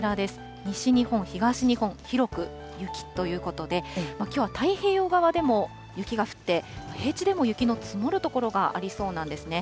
西日本、東日本、広く雪ということで、きょうは太平洋側でも雪が降って、平地でも雪の積もる所がありそうなんですね。